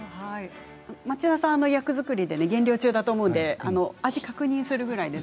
町田さん役作りで減量中だと思いますので味を確認するくらいで。